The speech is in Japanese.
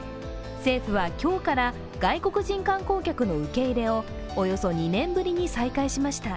政府は今日から外国人観光客の受け入れをおよそ２年ぶりに再開しました。